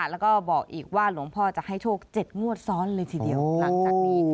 แล้วก็บอกอีกว่าหลวงพ่อจะให้โชค๗งวดซ้อนเลยทีเดียวหลังจากนี้